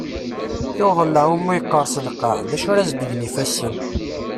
I uḍellaɛ umi yeqqers lqaɛ, d acu ara as-d-gen yifassen?